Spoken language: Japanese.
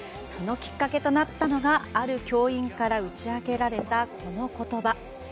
そのきっかけとなったのがある教員から打ち明けられたこの言葉。